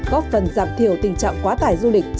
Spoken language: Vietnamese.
góp phần giảm thiểu tình trạng quá tải du lịch